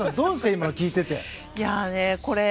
今の聞いていて。